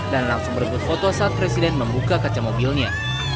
dan langsung merebut foto saat presiden membuka kacamobilnya